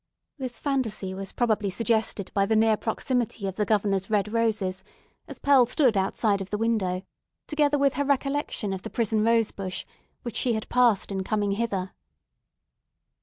This phantasy was probably suggested by the near proximity of the Governor's red roses, as Pearl stood outside of the window, together with her recollection of the prison rose bush, which she had passed in coming hither.